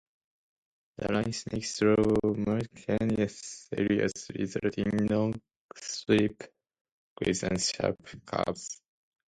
The line snaked through mountainous areas, resulting in long steep grades and sharp curves.